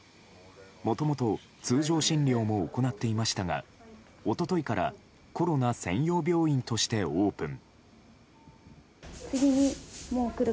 もともと、通常診療も行っていましたが一昨日からコロナ専用病院としてオープン。